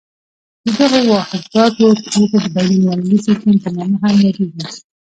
د دغو واحداتو ټولګه د بین المللي سیسټم په نامه هم یادیږي.